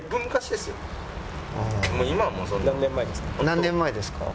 「何年前ですか？」